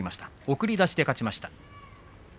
送り出しで勝ちました。